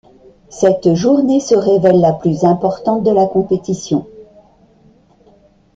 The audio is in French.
Cette journée se révèle la plus importante de la compétition.